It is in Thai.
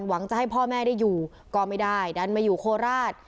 หวังจะให้พ่อแม่ได้อยู่ก็ไม่ได้ดันมาอยู่โคราช